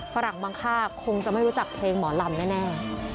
ฝรั่งบางค่าคงจะไม่รู้จักเพลงหมอลำแน่